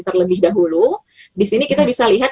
terlebih dahulu disini kita bisa lihat